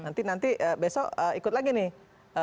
nanti nanti besok ikut lagi nih